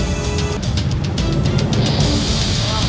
ต้องกลับมาด้วย